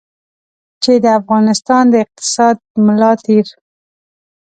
چې د افغانستان د اقتصاد ملا تېر.